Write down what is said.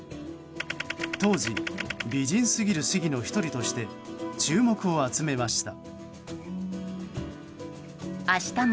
当時、美人すぎる市議の１人として注目を集めました。